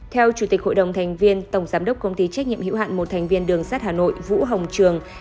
theo chủ tịch hội đồng thành viên tổng giám đốc công ty trách nhiệm hữu hạn một thành viên đường sát hà nội vũ hồng trường